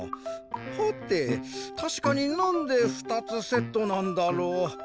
はてたしかになんで２つセットなんだろう？